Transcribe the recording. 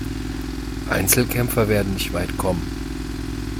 Einzelkämpfer werden nicht weit kommen.